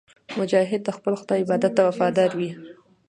مجاهد د خپل خدای عبادت ته وفادار وي.